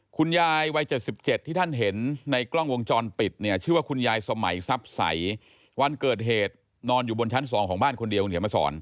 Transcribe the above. คุณยายวัย๗๗ที่ท่านเห็นในกล้องวงจรปิดเนี่ยชื่อว่าคุณยายสมัยทรัพย์ใสวันเกิดเหตุนอนอยู่บนชั้น๒ของบ้านคนเดียวคุณเขียนมาสอน